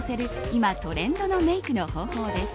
今トレンドのメイクの方法です。